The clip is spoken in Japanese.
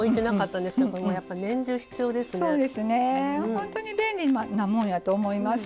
本当に便利なもんやと思います。